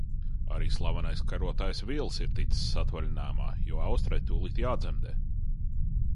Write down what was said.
Arī slavenais karotājs Vilis ir ticis atvaļinājumā, jo Austrai tūlīt jādzemdē.